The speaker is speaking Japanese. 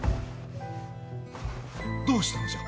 どうしたのじゃ？